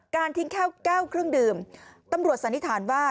ทิ้งแค่แก้วเครื่องดื่มตำรวจสันนิษฐานว่า